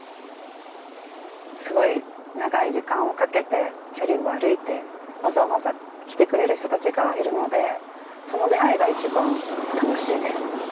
すごい長い時間をかけて距離を歩いてわざわざ来てくれる人たちがいるのでその出会いが一番楽しいです。